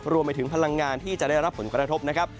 รวมไปถึงพลังงานที่จะได้รับผลกระทบนะครับ